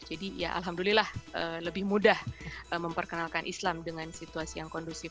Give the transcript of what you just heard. jadi ya alhamdulillah lebih mudah memperkenalkan islam dengan situasi yang kondusif